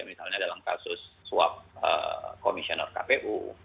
misalnya dalam kasus suap komisioner kpu